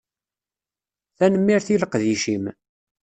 Tanemmirt i leqdic-im